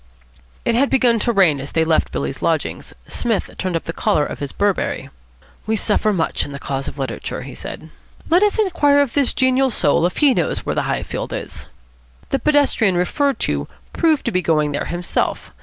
It had begun to rain as they left Billy's lodgings. Psmith turned up the collar of his Burberry. "We suffer much in the cause of Literature," he said. "Let us inquire of this genial soul if he knows where the Highfield is." The pedestrian referred to proved to be going there himself.